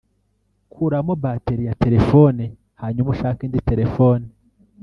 Kuramo bateri (ya telefone) hanyuma ushake indi telefone